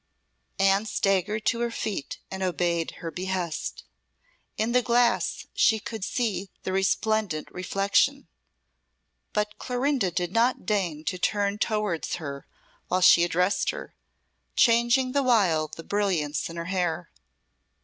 Anne staggered to her feet and obeyed her behest. In the glass she could see the resplendent reflection; but Clorinda did not deign to turn towards her while she addressed her, changing the while the brilliants in her hair.